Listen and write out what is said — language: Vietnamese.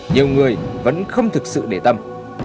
nhiều người vẫn không thực sự để tâm